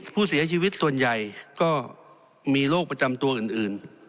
ผู้เสียชีวิตส่วนใหญ่ก็มีโรคประจำตัวอื่น